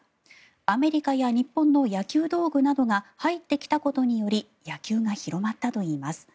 アメリカや日本の野球道具などが入ってきたことにより野球が広まったといいます。